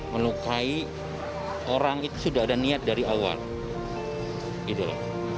melukai orang itu sudah ada niat dari awal